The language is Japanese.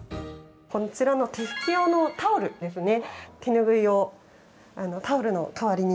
こちらの手拭き用のタオルですね。